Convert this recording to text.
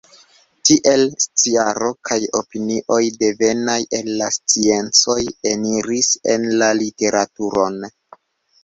Tiele sciaro kaj opinioj devenaj el la sciencoj eniris en la literaturon.